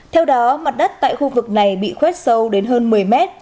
theo đó mặt đất tại khu vực này bị khuét sâu đến hơn một mươi mét